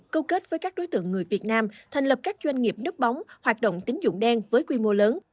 câu kết với các đối tượng người việt nam thành lập các doanh nghiệp nước bóng hoạt động tính dụng đen với quy mô lớn